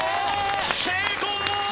成功！